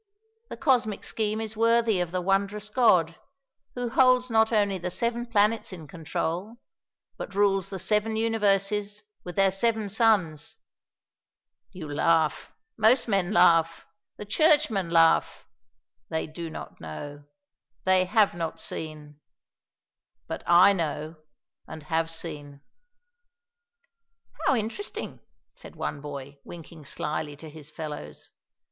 The cosmic scheme is worthy of the Wondrous God, who holds not only the Seven Planets in control, but rules the Seven Universes with their Seven Suns you laugh, most men laugh, the churchmen laugh, they do not know, they have not seen but I know and have seen." "How interesting," said one boy, winking slyly to his fellows.